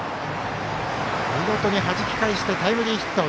見事にはじき返してタイムリーヒット。